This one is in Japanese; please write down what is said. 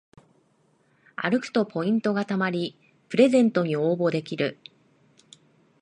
歩くとポイントがたまりプレゼントに応募できる